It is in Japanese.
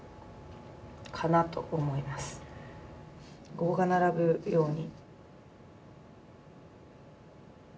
５が並ぶように。